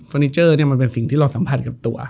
นิเจอร์เนี่ยมันเป็นสิ่งที่เราสัมผัสกับตัว